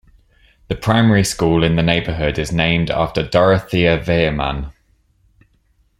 The primary school in the neighbourhood is named after Dorothea Viehmann.